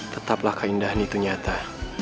tetaplah keindahan itu nyata